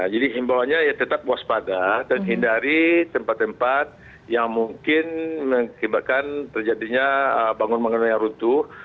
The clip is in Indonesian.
jadi himbawannya tetap waspada dan hindari tempat tempat yang mungkin menyebabkan terjadinya bangun bangunan yang runtuh